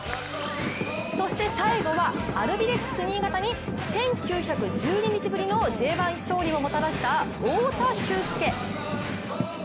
そして最後は、アルビレックス新潟に１９１２日ぶりのＪ１勝利をもたらした太田修介！